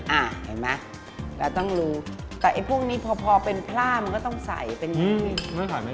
เห็นไหมเราต้องรู้แต่ไอ้พวกนี้พอเป็นผ้ามันก็ต้องใส่เป็นอย่างนี้